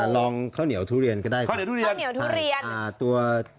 ลองข้าวเหนียวทุเรียนก็ได้ครับ